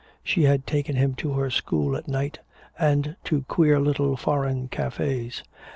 She had taken him to her school at night and to queer little foreign cafés.